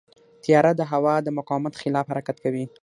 طیاره د هوا د مقاومت خلاف حرکت کوي.